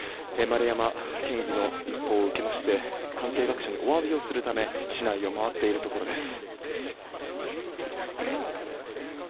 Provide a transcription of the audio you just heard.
丸山県議の一報を受けまして関係各所にお詫びするため市内を回っているところです。